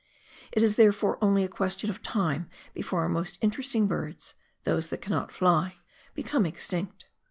It is, therefore, only a question of time before our most in teresting birds — those that cannot fly — become extinct.